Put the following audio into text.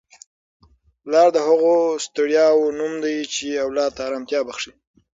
پلار د هغو ستړیاوو نوم دی چي اولاد ته ارامتیا بخښي.